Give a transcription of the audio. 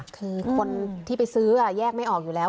คือคนที่ไปซื้อแยกไม่ออกอยู่แล้ว